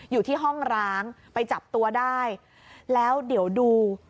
อยู่ที่ห้องร้างไปจับตัวได้แล้วเดี๋ยวดู